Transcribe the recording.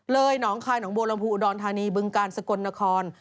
เลยหนองคายหนองโบรมภูอุดรธานีบึงกาลสกลนคร